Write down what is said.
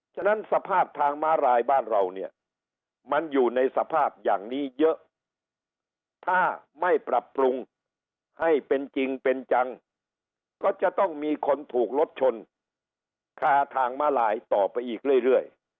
ฉะนั้นสภาพทางม้าลายบ้านเราเนี่ยมันอยู่ในสภาพอย่างนี้เยอะถ้าไม่ปรับปรุงให้เป็นจริงเป็นจังก็จะต้องมีคนถูกรถชนคาทางมาลายต่อไปอีกเรื่อย